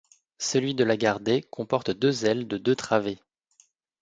Celui de la gare d'Ay comporte deux ailes de deux travées.